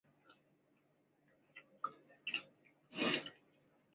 东北三肋果为菊科三肋果属下的一个种。